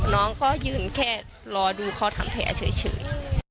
น้องก็ยืนแค่รอดูเขาทำแผลเฉย